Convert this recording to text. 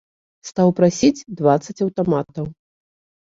Стаў прасіць дваццаць аўтаматаў.